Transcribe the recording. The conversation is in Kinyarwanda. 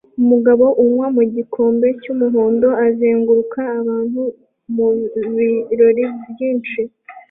umugabo unywa mu gikombe cy'umuhondo azenguruka abantu mubirori byinshi